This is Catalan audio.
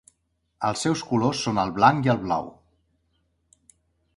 Els seus colors són el blanc i el blau.